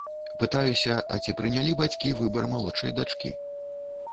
Пытаюся, а ці прынялі бацькі выбар малодшай дачкі.